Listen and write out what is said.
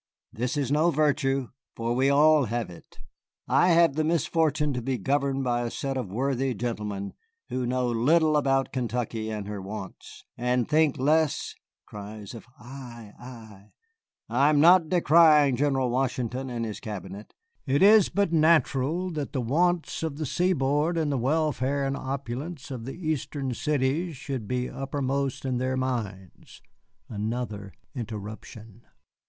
This is no virtue, for we all have it. We have the misfortune to be governed by a set of worthy gentlemen who know little about Kentucky and her wants, and think less [cries of 'Ay, ay!']. I am not decrying General Washington and his cabinet; it is but natural that the wants of the seaboard and the welfare and opulence of the Eastern cities should be uppermost in their minds [another interruption].